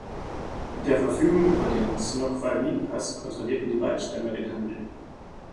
Mit der Verfügung über den Snoqualmie Pass kontrollierten die beiden Stämme den Handel.